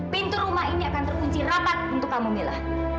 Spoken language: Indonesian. pintu rumah ini akan terunci rapat untuk kamu mila